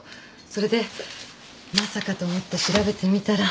それでまさかと思って調べてみたら。